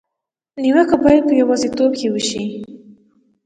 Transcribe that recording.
نیوکه باید په یوازېتوب کې وشي.